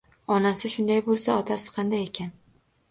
Onasi shunday bo‘lsa, otasi qanday ekan.